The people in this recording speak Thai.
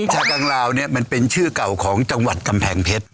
ชากังลาวเนี่ยมันเป็นชื่อเก่าของจังหวัดกำแพงเพชร